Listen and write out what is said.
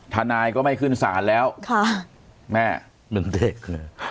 ทนายก็ไม่ขึ้นศาลแล้วค่ะแม่หนึ่งเด็กคือ